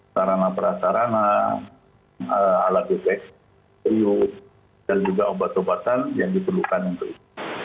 sarana prasarana alat deteksi dan juga obat obatan yang diperlukan untuk itu